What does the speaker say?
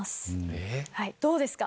どうですか？